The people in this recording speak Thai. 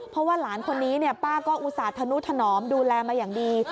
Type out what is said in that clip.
เพราะว่าหลานคนนี้ป้าก็อุตส่าหนุถนอมดูแลมาอย่างดี